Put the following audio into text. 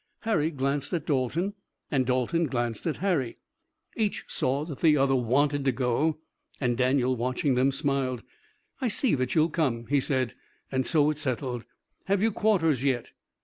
Harry glanced at Dalton, and Dalton glanced at Harry. Each saw that the other wanted to go, and Daniel, watching them, smiled. "I see that you'll come," he said, "and so it's settled. Have you quarters yet?"